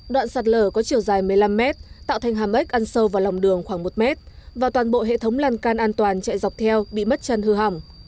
đoạn sạt lở có chiều dài một mươi năm mét tạo thành hàm ếch ăn sâu vào lòng đường khoảng một mét và toàn bộ hệ thống lan can an toàn chạy dọc theo bị mất chân hư hỏng